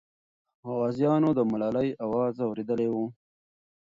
غازیانو د ملالۍ اواز اورېدلی وو.